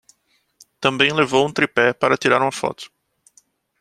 Também levou um tripé para tirar uma foto